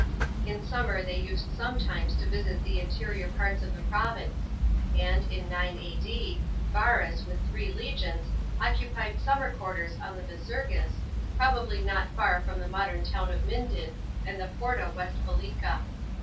In summer they used sometimes to visit the interior parts of the province ; and in 9 A.P., Varus, with three legions, occupied summer quarters on the \ isurgis, probably not far from the mode»n town of Minden and the Porta Wtsifalica.